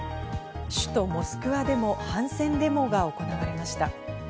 首都モスクワでも反戦デモが行われました。